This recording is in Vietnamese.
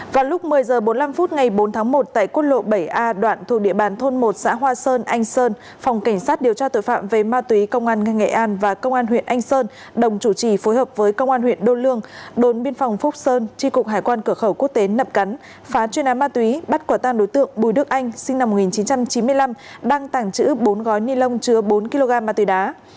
vào lúc một mươi h bốn mươi năm phút ngày bốn tháng một tại quốc lộ bảy a đoạn thuộc địa bàn thôn một xã hoa sơn anh sơn phòng cảnh sát điều tra tội phạm về ma túy công an nghệ an và công an huyện anh sơn đồng chủ trì phối hợp với công an huyện đô lương đồn biên phòng phúc sơn tri cục hải quan cửa khẩu quốc tế nập cắn phá chuyên án ma túy bắt quả tan đối tượng bùi đức anh sinh năm một nghìn chín trăm chín mươi năm đăng tảng chữ bốn gói ni lông chứa bốn kg ma túy đá